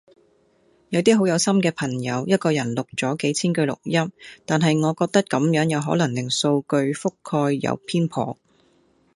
有啲好有心嘅朋友，一個人錄咗幾千句錄音，但係我覺得咁樣有可能令數據覆蓋有偏頗